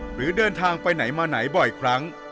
หรือเดินทางไปไหนมาไหนบ่อยครั้ง